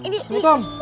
bisa dulu mak